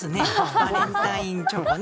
バレンタインチョコね。